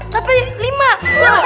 tapi lima kurang satu